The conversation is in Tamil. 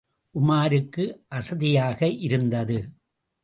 உமாருக்கு அசதியாக இருந்தது.